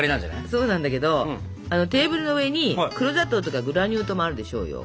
そうなんだけどテーブルの上に黒砂糖とかグラニュー糖もあるでしょうよ？